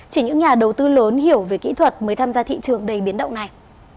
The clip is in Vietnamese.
chỉ những nhà đầu tư lớn hiểu về kỹ thuật mới tham gia thị trường đầy biến động này